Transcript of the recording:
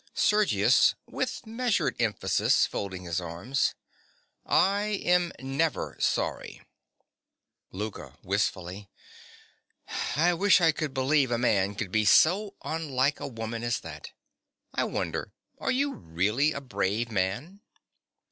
SERGIUS. (with measured emphasis, folding his arms). I am never sorry. LOUKA. (wistfully). I wish I could believe a man could be so unlike a woman as that. I wonder are you really a brave man?